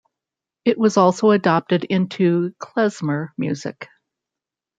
It was also adopted into Klezmer music.